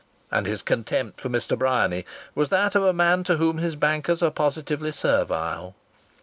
And his contempt for Mr. Bryany was that of a man to whom his bankers are positively servile.